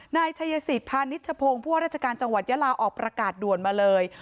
นายชายสิบภานิสชพงพรจังหวัดยะลาออกประกาศด่วนมาเลย